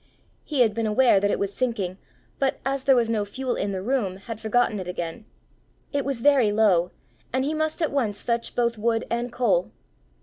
He had been aware that it was sinking, but, as there was no fuel in the room, had forgotten it again: it was very low, and he must at once fetch both wood and coal!